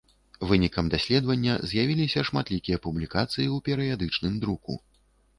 Вынікам даследавання з'явіліся шматлікія публікацыі ў перыядычным друку.